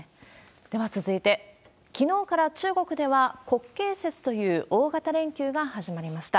では続いて、きのうから中国では、国慶節という、大型連休が始まりました。